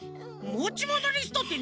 もちものリストって